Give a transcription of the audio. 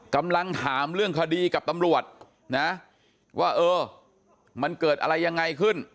กำลังถามเรื่องคดีกับตำรวจนะว่าเออมันเกิดอะไรยังไงขึ้น